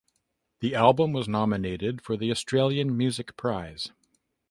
The album was nominated for the Australian Music Prize.